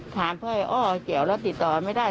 ถามเพื่ออ้อเจ๋วเราติดต่อไม่ได้